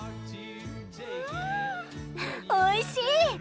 んおいしい！